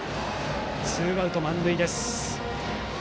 ツーアウト満塁です。